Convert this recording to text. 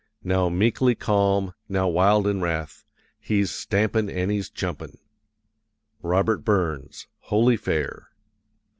Now meekly calm, now wild in wrath, He's stampin' an' he's jumpin'. ROBERT BURNS, Holy Fair.